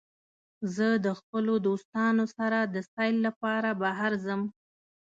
زه د خپلو دوستانو سره د سیل لپاره بهر ځم.